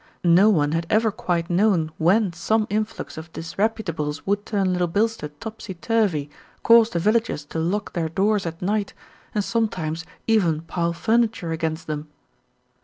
No one had ever quite known when some influx of disreputables would turn Little Bilstead topsy turvy, cause the villagers to lock their doors at night, and sometimes even pile furniture against them.